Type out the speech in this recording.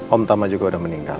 om tama juga sudah meninggal